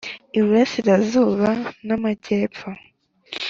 Iburasirazuba n Amajyepfo .